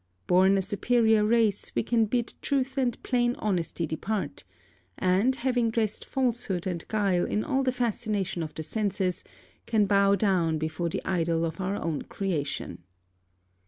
Born a superior race, we can bid truth and plain honesty depart; and, having dressed falsehood and guile in all the fascination of the senses, can bow down before the idol of our own creation.